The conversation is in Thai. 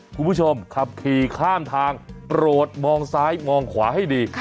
ขับขี่ข้ามทางโปรดมองซ้ายมองขวาให้ดี